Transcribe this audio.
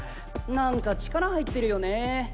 何か力入ってるよねぇ。